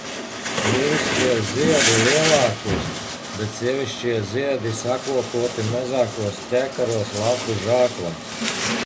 Vīrišķie ziedi lielākos, bet sievišķie ziedi sakopoti mazākos ķekaros lapu žāklēs.